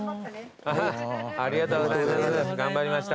ありがとうございます。